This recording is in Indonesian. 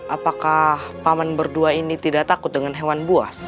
apakah paman berdua ini tidak takut dengan hewan buas